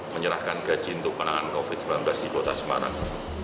menyerahkan gaji untuk penanganan covid sembilan belas di kota semarang